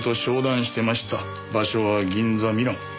場所は銀座ミラン。